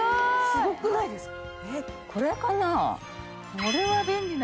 すごくないですか。